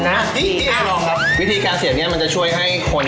และทำไมถึงอร่อยขนาดไหน